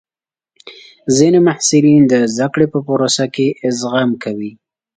ځینې محصلین د زده کړې په پروسه کې زغم کوي.